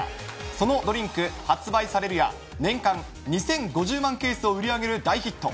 そのドリンク、発売されるや、年間２０５０万ケースを売り上げる大ヒット。